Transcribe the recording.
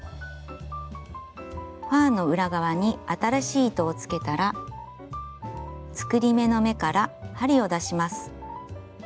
ファーの裏側に新しい糸をつけたら作り目の目から針を出します。